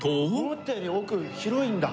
思ったより奥広いんだ。